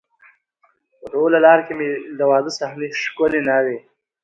په ټوله لار کې مې د واده صحنې، ښکلې ناوې،